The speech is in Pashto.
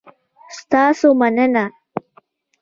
ستاسو مننه؟